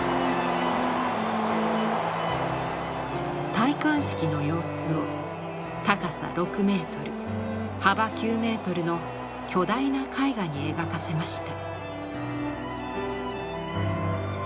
戴冠式の様子を高さ６メートル幅９メートルの巨大な絵画に描かせました。